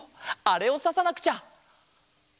あれをささなくちゃ。